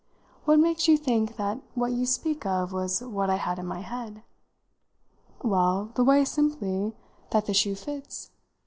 "What makes you think that what you speak of was what I had in my head?" "Well, the way, simply, that the shoe fits.